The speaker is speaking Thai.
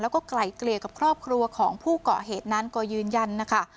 แล้วก็ไกลเกลี่ยกับครอบครัวของผู้เกาะเหตุนั้นก็ยืนยันนะคะ